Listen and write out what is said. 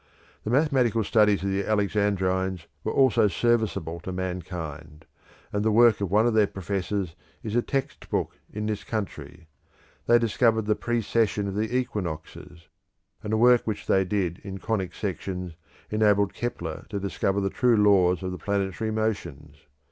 The mathematical studies of the Alexandrines were also serviceable to mankind, and the work of one of their professors is a text book in this country; they discovered the Precession of the Equinoxes; and the work which they did in Conic Sections enabled Kepler to discover the true laws of the planetary motions.